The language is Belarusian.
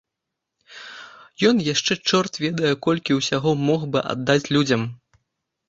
Ён яшчэ чорт ведае колькі ўсяго мог бы аддаць людзям.